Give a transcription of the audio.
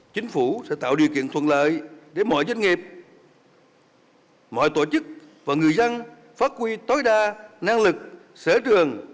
chính phủ sẽ tạo điều kiện thuận lợi để mọi doanh nghiệp mọi tổ chức và người dân phát huy tối đa năng lực sở trường